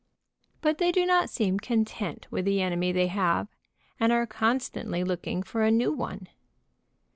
But they do not seem content with the enemy they have, and are constantly looking for a new one.